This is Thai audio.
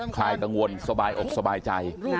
ภายตังเองสบายอกสบายใจ